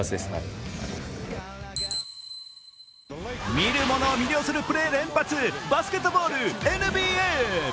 見る者を魅了するプレー連発、バスケットボールＮＢＡ。